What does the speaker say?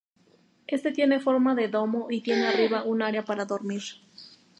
Éste tiene forma de domo, y tiene arriba un área para dormir.